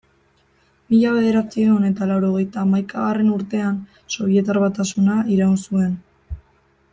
Mila bederatziehun eta laurogeita hamaikagarren urtean Sobietar Batasuna iraun zuen.